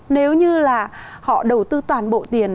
nếu như là họ đầu tư toàn bộ tiền